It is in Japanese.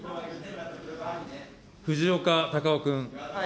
藤岡隆雄君。